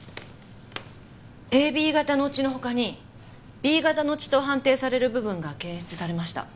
ＡＢ型の血の他にＢ型の血と判定される部分が検出されました。